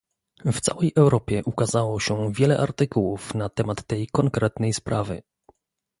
W całej Europie ukazało się wiele artykułów na temat tej konkretnej sprawy